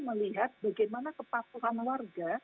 melihat bagaimana kepatuhan warga